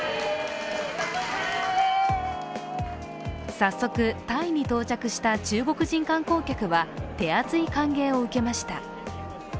早速、タイに到着した中国人観光客は手厚い歓迎を受けました。